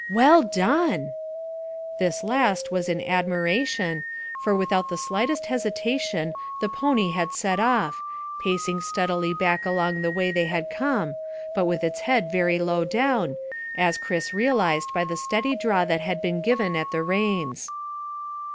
Well done!" This last was in admiration, for without the slightest hesitation the pony had set off, pacing steadily back along the way they had come, but with its head very low down, as Chris realised by the steady draw that had been given at the reins.